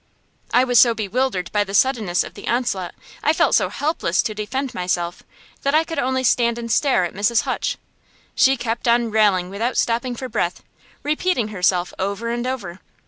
I was so bewildered by the suddenness of the onslaught, I felt so helpless to defend myself, that I could only stand and stare at Mrs. Hutch. She kept on railing without stopping for breath, repeating herself over and over.